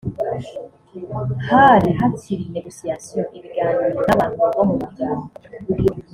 Hari hakiri negotiations (ibiganiro) n’abantu bo mu muryango